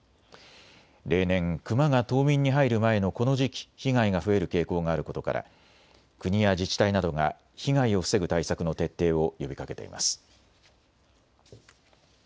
例年、クマが冬眠に入る前のこの時期、被害が増える傾向があることから国や自治体などが被害を防ぐ対策の徹底を呼びかけています。